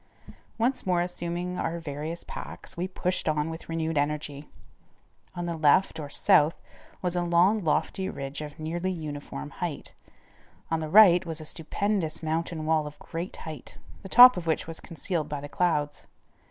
Once more assuming our various packs, we pushed on with renewed energy. On the left or south was a long lofty ridge of nearly uniform height. On the right was a stupendous mountain wall of great height, the top of which was concealed by the clouds.